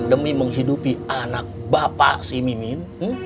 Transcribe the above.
demi menghidupi anak bapak si mimin